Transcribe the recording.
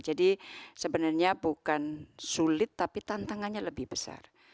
jadi sebenarnya bukan sulit tapi tantangannya lebih besar